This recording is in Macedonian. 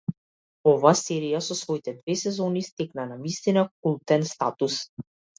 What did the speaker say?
Оваа серија со своите две сезони стекна навистина култен статус.